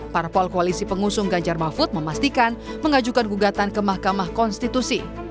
parpol koalisi pengusung ganjar mahfud memastikan mengajukan gugatan ke mahkamah konstitusi